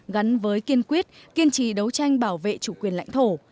gắn với kiên quyết kiên trì đấu tranh bảo vệ chủ quyền lãnh thổ